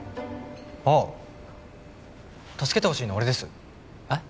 ああ助けてほしいの俺ですえっ？